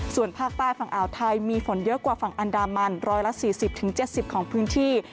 ส่วนภาคใต้ฝั่งอ่าวไทยมีฝนเยอะกว่าฝั่งอันดามัน๑๔๐๗๐ของพื้นที่